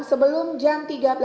sebelum jam tiga belas